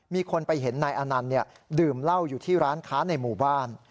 มีคนไปเห็นนายอนันต์ดื่มเหล้าอยู่ที่ร้านค้าในหมู่บ้าน